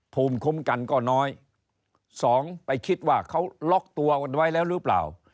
ภูมิคุ้มกันก็น้อยสองไปคิดว่าเขาล็อกตัวกันไว้แล้วหรือเปล่า